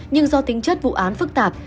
nhưng do tính chất vụ án phức tạp